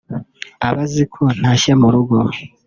aba azi ko ntashye mu rugo